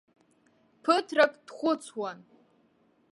Ԥыҭрак дхәыцуан.